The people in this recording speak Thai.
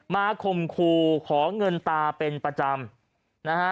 มาข่มขู่ขอเงินตาเป็นประจำ